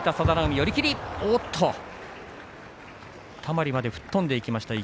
両者、たまりまで吹っ飛んでいきました。